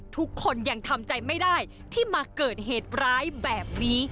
ทุกคนยังทำใจไม่ได้ที่มาเกิดเหตุร้ายแบบนี้